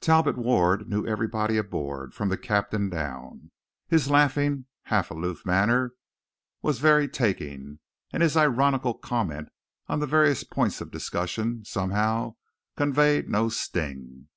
Talbot Ward knew everybody aboard, from the captain down. His laughing, half aloof manner was very taking; and his ironical comments on the various points of discussion, somehow, conveyed no sting.